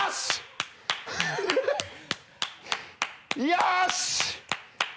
よし！